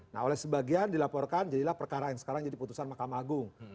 nah oleh sebagian dilaporkan jadilah perkara yang sekarang jadi putusan mahkamah agung